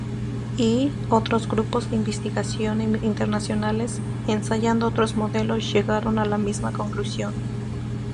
Y, otros grupos de investigación internacionales, ensayando otros modelos llegaron a la misma conclusión.